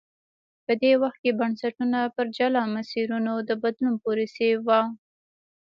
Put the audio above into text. په دې وخت کې بنسټونه پر جلا مسیرونو د بدلون پروسې ووه.